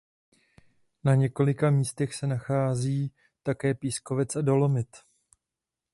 Na několika místech se nachází také pískovec a dolomit.